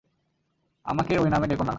আমায় ওই নামে ডেকো না।